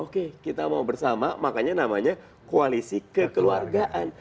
oke kita mau bersama makanya namanya koalisi kekeluargaan